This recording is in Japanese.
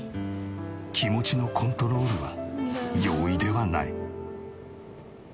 気持ちのコントロールは容易ではない。